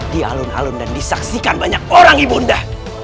dialun alun dan disaksikan banyak orang ibu nda